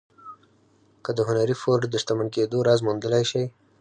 که د هنري فورډ د شتمن کېدو راز موندلای شئ.